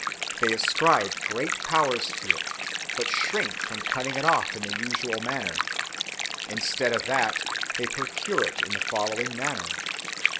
They ascribe great powers to it, but shrink from cutting it off in the usual manner. Instead of that they procure it in the following manner.